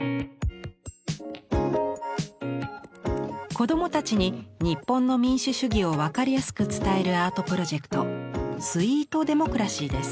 子供たちに日本の民主主義を分かりやすく伝えるアート・プロジェクト「スイート・デモクラシー」です。